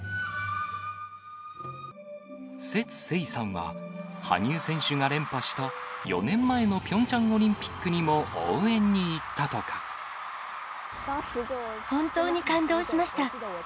薛晴さんは、羽生選手が連覇した４年前のピョンチャンオリンピックにも応援に本当に感動しました。